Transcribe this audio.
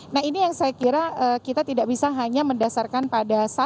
nah ini yang saya kira kita tidak bisa hanya mendasarkan pada